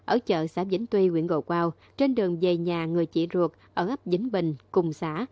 ở chợ xã vĩnh tuy nguyễn ngò quao trên đường về nhà người chị ruột ở ấp vĩnh bình cùng xã